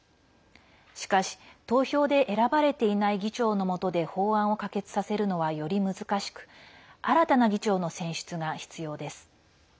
しかし投票で選ばれていない議長のもとで法案を可決させるのはより難しく新たな議長の選出が必要です。